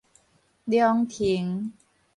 龍騰